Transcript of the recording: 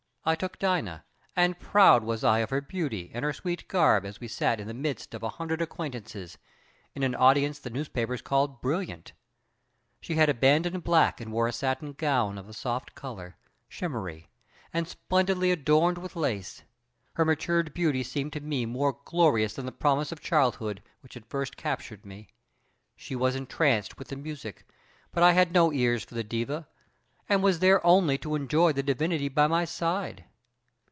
I took Dina, and proud was I of her beauty and her sweet garb as we sat in the midst of a hundred acquaintances in an audience the newspapers called 'brilliant'. She had abandoned black and wore a satin gown of a soft color, shimmery and splendidly adorned with lace. Her matured beauty seemed to me more glorious than the promise of childhood, which had first captured me. She was entranced with the music, but I had no ears for the diva, and was there only to enjoy the divinity by my side.